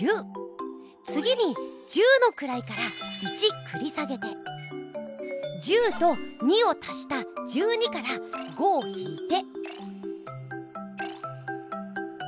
つぎに十のくらいから１くり下げて１０と２を足した１２から５をひいて。